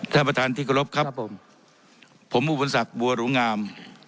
ท่านประธานที่กรบครับผมบุญศักดิ์บัวหลุงาม